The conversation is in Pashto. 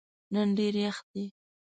نن ډېر یخ دی.